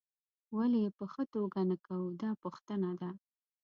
ولې یې په ښه توګه نه کوو دا پوښتنه ده.